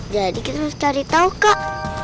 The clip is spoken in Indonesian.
jadi kita harus cari tahu kak